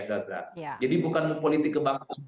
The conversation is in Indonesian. zaza jadi bukan politik kebangsaan